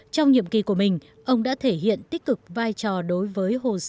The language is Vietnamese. trong nhiệm kỳ của mình ông đã thể hiện tích cực vai trò đối với hồ sơ